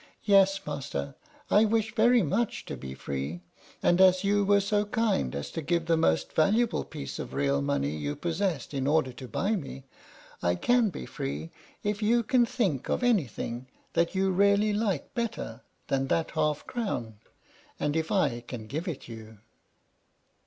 "Yes, master, I wish very much to be free; and as you were so kind as to give the most valuable piece of real money you possessed in order to buy me, I can be free if you can think of anything that you really like better than that half crown, and if I can give it you."